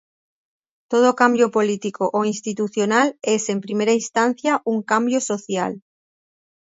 Todo cambio político o institucional es en primera instancia un cambio social.